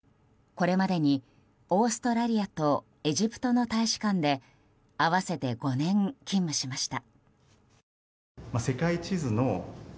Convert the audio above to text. これまでにオーストラリアとエジプトの大使館で合わせて５年勤務しました。